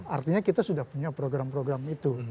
artinya kita sudah punya program program itu